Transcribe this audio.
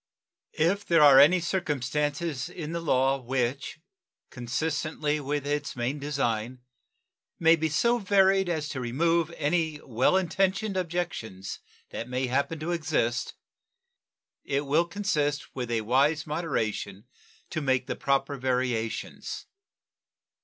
If there are any circumstances in the law which consistently with its main design may be so varied as to remove any well intentioned objections that may happen to exist, it will consist with a wise moderation to make the proper variations.